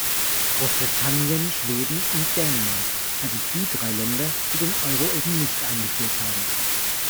Großbritannien, Schweden und Dänemark, also die drei Länder, die den Euro eben nicht eingeführt haben.